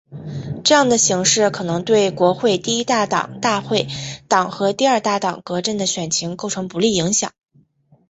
这样的形势可能对国会第一大党大会党和第二大党革阵的选情构成不利影响。